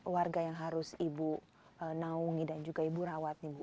warga yang harus ibu naungi dan juga ibu rawat nih bu